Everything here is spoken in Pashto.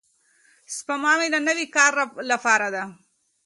سپما مې د نوي کار لپاره ده.